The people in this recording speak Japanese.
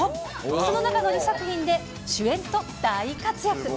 その中の２作品で主演と大活躍。